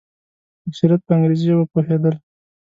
اکثریت په انګریزي ژبه پوهېدل.